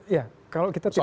ya kalau kita tidak